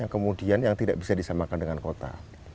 kemudian yang tidak bisa disamakan dengan kota